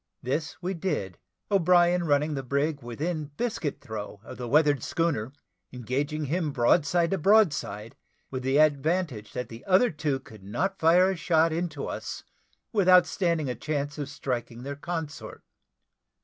This we did; O'Brien running the brig within biscuit throw of the weather schooner, engaging him broadside to broadside, with the advantage that the other two could not fire a shot into us without standing a chance of striking their consort.